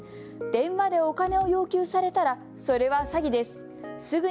電話でお金を要求されたらそれは詐欺です。